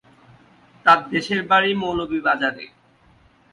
তার দেশের বাড়ি মৌলভীবাজারে।